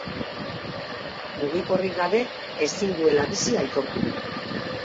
Mugikorrik gabe ezin duela bizi aitortu du.